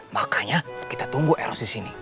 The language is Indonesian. makanya kita tunggu eros di sini